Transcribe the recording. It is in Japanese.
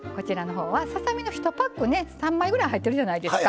ささ身の１パック３枚ぐらい入っているじゃないですか。